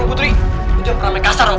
put tega banget ya lo